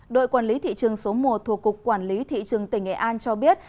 đội quản lý thị trường số một thuộc cục quản lý thị trường tỉnh nghệ an cho biết